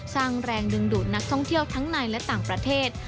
สร้างแรงดึงดูดนักท่องเที่ยวทั้งในและต่างประเทศ